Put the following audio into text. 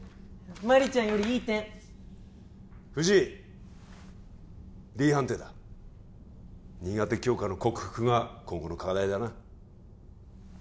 麻里ちゃんよりいい点藤井Ｄ判定だ苦手教科の克服が今後の課題だな